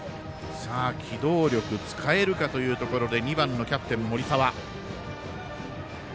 機動力使えるかというところで２番のキャプテン、森澤。